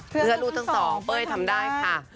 เพื่อลูกทั้งสองเป้ยทำได้ค่ะ